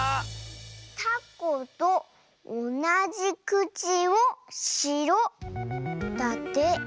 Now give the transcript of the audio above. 「たことおなじくちをしろ」だって。